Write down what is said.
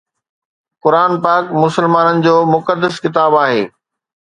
قرآن پاڪ مسلمانن جو مقدس ڪتاب آهي